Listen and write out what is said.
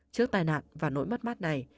trước tai nạn và nỗi mất mắt này